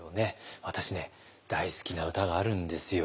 私ね大好きな歌があるんですよ。